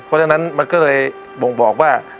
เพราะฉะนั้นมันก็เลยบ่งบอกว่า